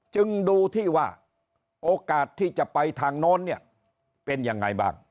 จึงดูที่ว่าโอกาสที่จะไปทางโน้นเนี่ยเป็นยังไงบ้าง